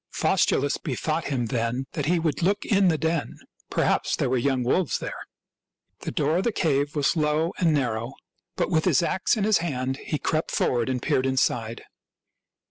Faustulus bethought him then that he would look in the den — perhaps there were young wolves there. The door of the cave was low and narrow; but with his ax in his hand he crept forward and peered inside.